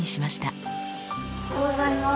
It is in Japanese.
おはようございます。